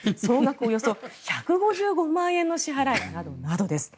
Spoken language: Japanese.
およそ１５５万円の支払いなどなどです。